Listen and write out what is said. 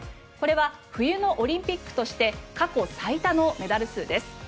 これは冬のオリンピックとして過去最多のメダル数です。